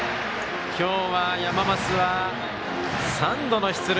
今日は山増は３度の出塁。